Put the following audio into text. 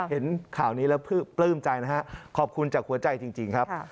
เห็นข่าวนี้แล้วปลื้มใจนะฮะขอบคุณจากหัวใจจริงครับ